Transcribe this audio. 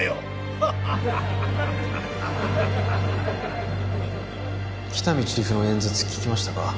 ハハハハ喜多見チーフの演説聞きましたか？